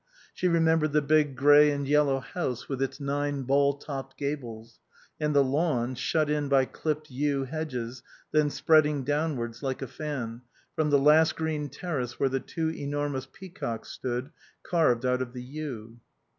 She remembered the big grey and yellow house with its nine ball topped gables; and the lawn, shut in by clipped yew hedges, then spreading downwards, like a fan, from the last green terrace where the two enormous peacocks stood, carved out of the yew.